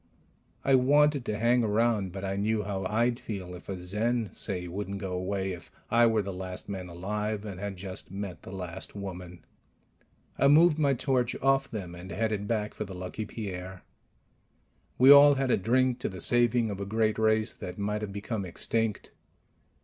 I wanted to hang around, but I knew how I'd feel if a Zen, say, wouldn't go away if I were the last man alive and had just met the last woman. I moved my torch off them and headed back for the Lucky Pierre. We all had a drink to the saving of a great race that might have become extinct.